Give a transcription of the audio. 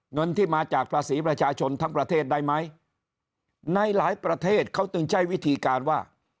เงินที่มาจากภาษีประชาชนทั้งประเทศได้ไหมในหลายประเทศเขาจึงใช้วิธีการว่า